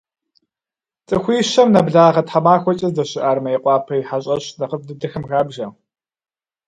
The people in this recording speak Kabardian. Цӏыхуищэм нэблагъэ тхьэмахуэкӏэ здэщыӏар Мейкъуапэ и хьэщӏэщ нэхъыфӏ дыдэхэм хабжэ.